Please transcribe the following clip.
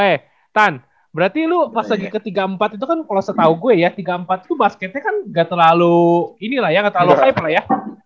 eh tan berarti lu pas lagi ke tiga puluh empat itu kan kalo setau gue ya tiga puluh empat itu basketnya kan ga terlalu ini lah ya ga terlalu hype lah ya